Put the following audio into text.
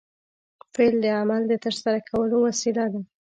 فعل د عمل د ترسره کولو وسیله ده.